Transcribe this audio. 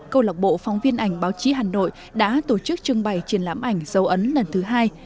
câu lạc bộ phóng viên ảnh báo chí hà nội đã tổ chức trưng bày triển lãm ảnh dấu ấn lần thứ hai